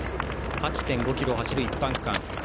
８．５ｋｍを走る一般区間です。